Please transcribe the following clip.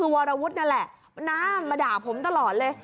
วรวุฒินั่นแหละน้ามาด่าผมตลอดเลย